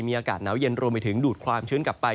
มีอากาศหนาวเย็นรวมไปถึงดูดความชื้นกลับไป